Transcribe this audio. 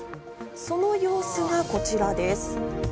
その様子がこちらです。